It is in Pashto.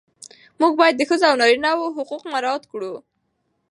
موږ باید د ښځو او نارینه وو حقوق مراعات کړو.